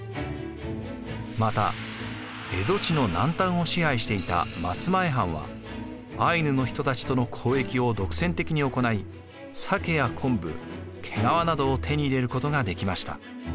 また蝦夷地の南端を支配していた松前藩はアイヌの人たちとの交易を独占的に行い鮭や昆布毛皮などを手に入れることができました。